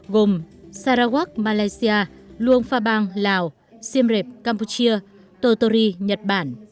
gồm sarawak malaysia luang phabang lào siem reap campuchia tottori nhật bản